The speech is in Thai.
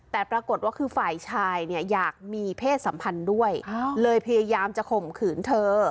แต่ปรากฏว่าคือฝ่ายชายเนี่ยอยากมีเพศสัมพันธ์ด้วยเลยพยายามจะข่มขืนเธอ